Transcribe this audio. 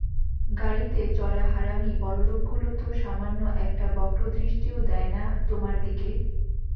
গাড়িতে চড়া হারামি বড়লোকগুলো তো সামান্য একটা বক্রদৃষ্টিও দেয় না তোমার দিকে?